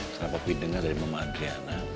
saya tapi dengar dari mama adriana